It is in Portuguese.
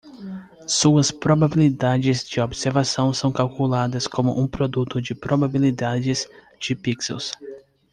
Suas probabilidades de observação são calculadas como um produto de probabilidades de pixels.